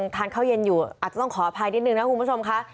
ทานข้าวเย็นอยู่อาจจะต้องขออภัยนิดนึงนะคุณผู้ชมค่ะ